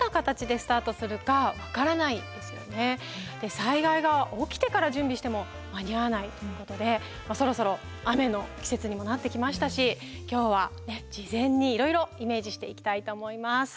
災害が起きてから準備しても間に合わないということでそろそろ雨の季節にもなってきましたし今日は事前にいろいろイメージしていきたいと思います。